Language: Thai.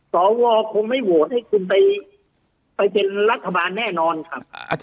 สวคงไม่โหวตให้คุณไปเป็นรัฐบาลแน่นอนครับ